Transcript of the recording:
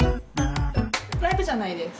ライブじゃないです。